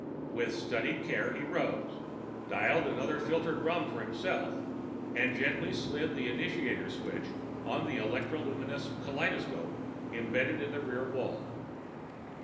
With studied care he rose, dialed another filtered rum for himself, and gently slid the initiator switch on the electroluminescent kaleidoscope embedded in the rear wall.